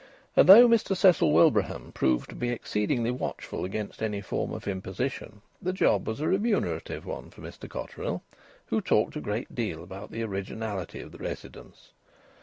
And though Mr Cecil Wilbraham proved to be exceedingly watchful against any form of imposition, the job was a remunerative one for Mr Cotterill, who talked a great deal about the originality of the residence.